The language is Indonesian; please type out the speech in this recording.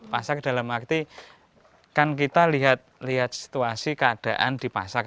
pasar dalam arti kan kita lihat situasi keadaan di pasar